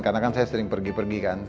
karena kan saya sering pergi pergi kan